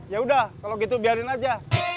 yaudah kalau gitu biarin aja